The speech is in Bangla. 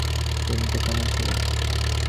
দিনটা কেমন ছিল?